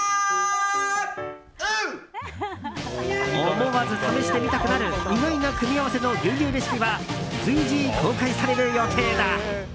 思わず試してみたくなる意外な組み合わせの牛乳レシピは随時公開される予定だ。